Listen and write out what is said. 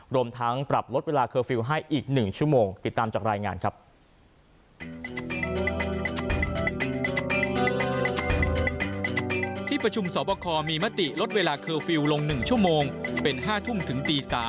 รวมทั้งปรับลดเวลาเคอร์ฟิลให้อีก๑ชั่วโมง